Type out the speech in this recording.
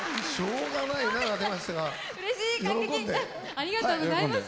ありがとうございます。